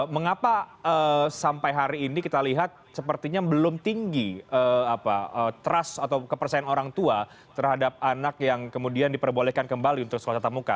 mengapa sampai hari ini kita lihat sepertinya belum tinggi trust atau kepercayaan orang tua terhadap anak yang kemudian diperbolehkan kembali untuk sekolah tatap muka